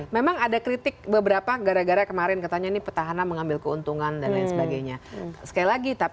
memang ada kritik beberapa gara gara kemarin katanya ini petahana mengambil keuntungan dan lain sebagainya